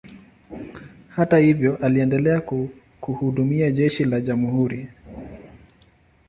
Hata hivyo, aliendelea kuhudumia jeshi la jamhuri.